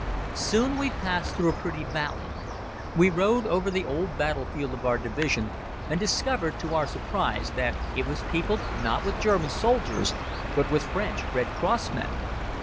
Soon we passed through a pretty valley. We rode over the old battlefield of our Division and discovered, to our surprise, that it was peopled not with German soldiers, but with French Red Cross men.